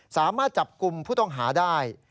สามารถจับกลุ่มผู้ต้องหาได้